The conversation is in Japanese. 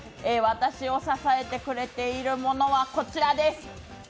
私を支えてくれるものはこちらです。